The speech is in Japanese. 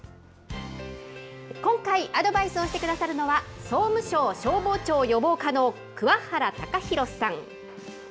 今回、アドバイスをしてくださるのは、総務省消防庁予防課のくわ原崇宏さん。